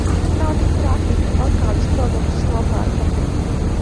Nav tik traki, kaut kādus produktus nopērkam...